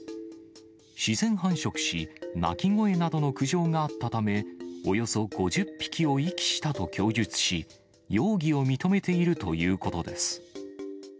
自然繁殖し、鳴き声などの苦情があったため、およそ５０匹を遺棄したと供述し、容疑を認めているということです。